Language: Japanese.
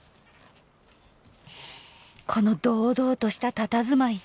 この堂々としたたたずまい。